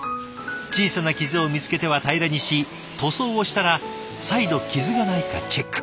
小さな傷を見つけては平らにし塗装をしたら再度傷がないかチェック。